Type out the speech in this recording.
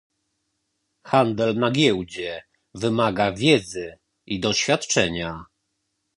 Handel na giełdzie wymaga wiedzy i doświadczenia.